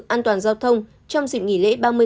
an toàn giao thông trong dịp nghỉ lễ